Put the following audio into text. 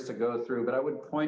tapi saya ingin menunjukkan